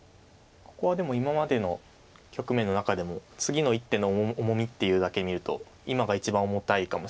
ここはでも今までの局面の中でも次の一手の重みっていうのだけを見ると今が一番重たいかもしれないです。